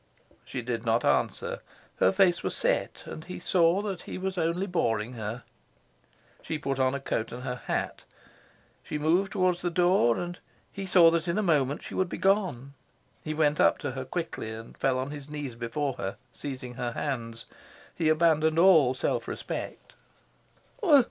She did not answer. Her face was set, and he saw that he was only boring her. She put on a coat and her hat. She moved towards the door, and he saw that in a moment she would be gone. He went up to her quickly and fell on his knees before her, seizing her hands: he abandoned all self respect.